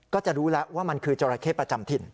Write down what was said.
ก็จะรู้แล้วว่ามันคือจราเข้ประจำถิ่น